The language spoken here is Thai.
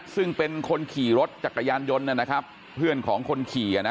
ซึ่งเป็นคนขี่รถจักรยานยนต์นะครับเพื่อนของคนขี่